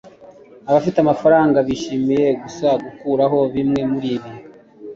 abafite amafaranga bishimiye gusa gukuraho bimwe muribi